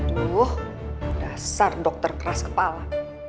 tubuh dasar dokter keras kepala